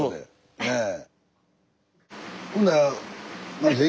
ええ。